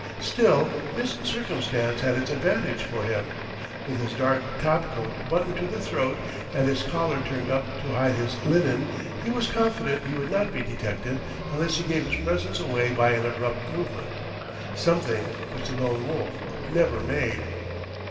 Still, this circumstance had its advantages for him; with his dark topcoat buttoned to the throat and its collar turned up to hide his linen, he was confident he would not be detected unless he gave his presence away by an abrupt movement something which the Lone Wolf never made.